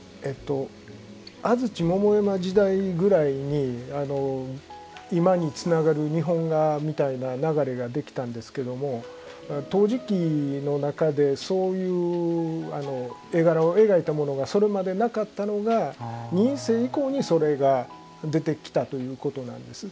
安土桃山時代ぐらいに今につながる日本画みたいな流れができたんですけども陶磁器の中で、そういう絵柄を描いたものがそれまでなかったのが仁清以降にそれが出てきたということなんです。